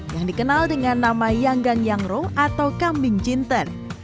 yang dikenal dengan nama yangnggang yangro atau kambing jinten